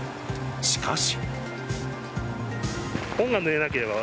しかし。